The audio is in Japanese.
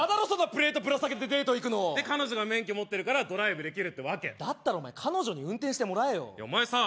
プレートぶら下げてデート行くの彼女が免許持ってるからドライブできるってわけだったら彼女に運転してもらえよいやお前さ